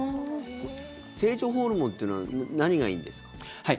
成長ホルモンというのは何がいいんですか？